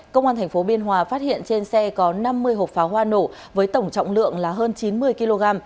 công an tp biên hòa phát hiện trên xe có năm mươi hộp pháo hoa nổ với tổng trọng lượng là hơn chín mươi kg